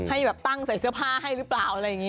ให้แบบตั้งใส่เสื้อผ้าให้หรือเปล่าอะไรอย่างนี้